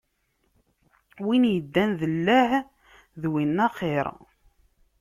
Wi iddan d lleh, d win axiṛ.